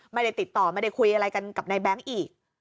ไม่ได้ติดต่อไม่ได้คุยอะไรกันกับนายแบงค์อีก